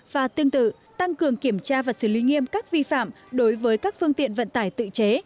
và tương tự tăng cường kiểm tra và xử lý nghiêm các vi phạm đối với các phương tiện vận tải tự chế